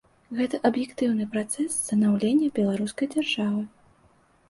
Гэта аб'ектыўны працэс станаўлення беларускай дзяржавы.